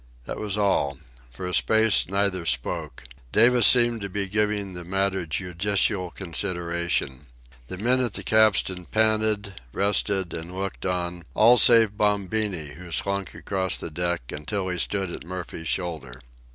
That was all. For a space neither spoke. Davis seemed to be giving the matter judicial consideration. The men at the capstan panted, rested, and looked on—all save Bombini, who slunk across the deck until he stood at Murphy's shoulder.